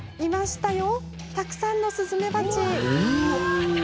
たくさんのスズメバチ。